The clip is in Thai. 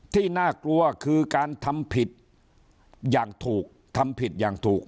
ที่น่ากลัวคือการทำผิดอย่างถูกทำผิดอย่างถูก